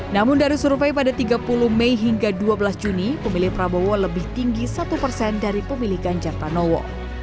namun dari survei pada tiga puluh mei hingga dua belas juni pemilih prabowo lebih tinggi satu persen dari pemilih ganjar pranowo